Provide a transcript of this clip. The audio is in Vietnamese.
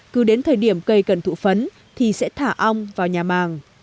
cứ đến thời điểm cây cần thụ phấn thì sẽ thả ong vào nhà màng